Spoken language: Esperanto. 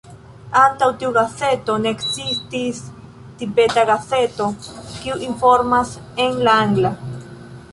Antaŭ tiu gazeto, ne ekzistis Tibeta gazeto kiu informas en la angla.